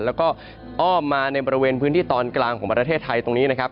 แล้วก็อ้อมมาในบริเวณพื้นที่ตอนกลางของประเทศไทยตรงนี้นะครับ